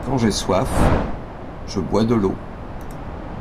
Quand j’ai soif je bois de l’eau.